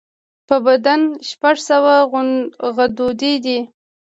په بدن شپږ سوه غدودي دي.